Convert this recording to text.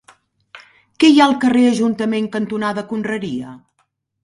Què hi ha al carrer Ajuntament cantonada Conreria?